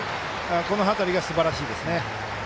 この辺りがすばらしいですね。